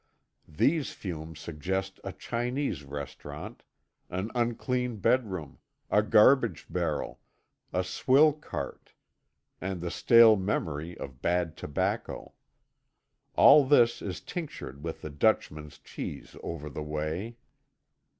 These fumes suggest a Chinese restaurant, an unclean bedroom, a garbage barrel, a swill cart, and the stale memory of bad tobacco. All this is tinctured with the Dutchman's cheese over the way.